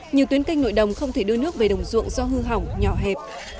nhiều tuyến canh nội đồng không thể đưa nước về đồng ruộng do hư hỏng nhỏ hẹp